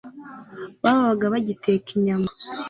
babaga bagiteka inyama